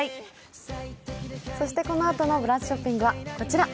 このあとの「ブランチショッピング」はこちら。